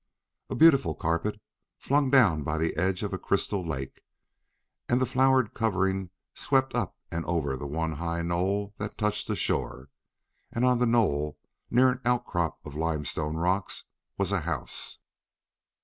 A beautiful carpet, flung down by the edge of a crystal lake, and the flowered covering swept up and over the one high knoll that touched the shore.... And on the knoll, near an outcrop of limestone rocks, was a house.